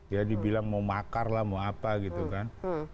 ya dibilang mau makar lah mau apa gitu kan